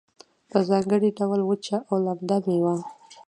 په ځانګړي ډول وچه او لمده میوه